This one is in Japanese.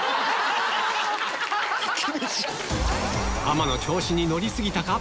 ⁉天野調子に乗り過ぎたか？